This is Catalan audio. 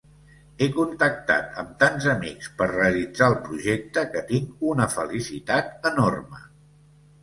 He contactat amb tants amics per realitzar el projecte, que tinc una felicitat enorme.